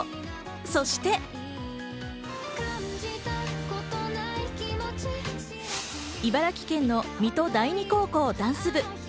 そして、茨城県の水戸第二高校ダンス部。